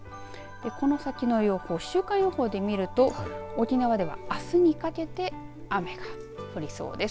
この先の予報、週間予報で見ると沖縄ではあすにかけて雨が降りそうです。